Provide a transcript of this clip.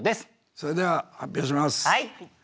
それでは発表します。